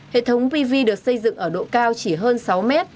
hệ thống pv được xây dựng ở độ cao chỉ hơn sáu mét